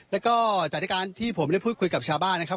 แล้วก็จากการที่ผมได้พูดคุยกับชาวบ้านนะครับ